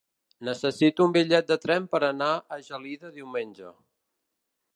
Necessito un bitllet de tren per anar a Gelida diumenge.